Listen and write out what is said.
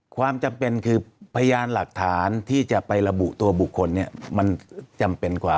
ความจำเป็นคือพยานหลักฐานที่จะไประบุตัวบุคคลเนี่ยมันจำเป็นกว่า